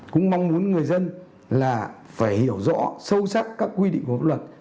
cũng mong muốn người dân là phải hiểu rõ sâu sắc các quy định của luật